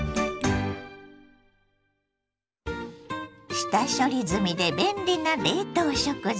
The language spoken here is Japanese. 下処理済みで便利な冷凍食材